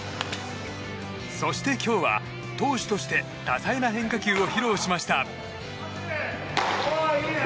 そして今日は投手として多彩な変化球を披露しました。